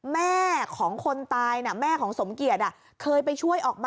แม่ของคนตายแม่ของสมเกียจ